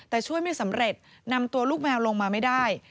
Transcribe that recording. แต่ช่วยไม่สำเร็จนำตัวลูกแมวลงมาไม่ได้